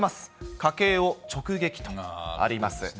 家計を直撃とあります。